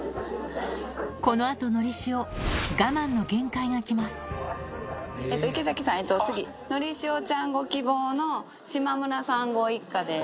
このあと、のりしお、我慢の池崎さん、次、のりしおちゃんご希望の島村さんご一家です。